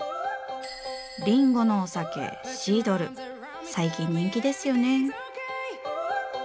リンゴのお酒最近人気ですよね。